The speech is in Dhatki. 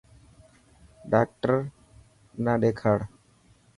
ڊاڪٽر نا ڏيکاڙ.